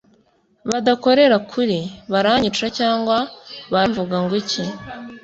badakorera kuri ”baranyica cyangwa baramvugangwiki”